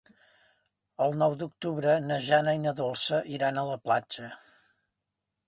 El nou d'octubre na Jana i na Dolça iran a la platja.